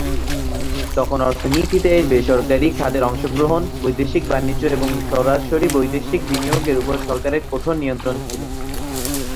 তখন অর্থনীতিতে বেসরকারী খাতের অংশগ্রহণ, বৈদেশিক বাণিজ্য এবং সরাসরি বৈদেশিক বিনিয়োগের উপর সরকারের কঠোর নিয়ন্ত্রণ ছিল।